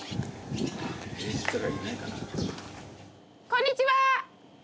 こんにちは！